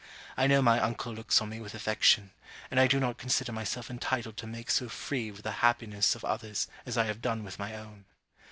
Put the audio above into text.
I know my uncle looks on me with affection; and I do not consider myself entitled to make so free with the happiness of others as I have done with my own.